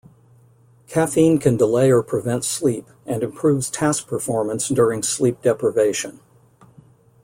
Caffeine can delay or prevent sleep, and improves task performance during sleep deprivation.